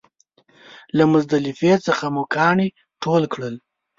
له مزدلفې څخه مو کاڼي ټول کړل.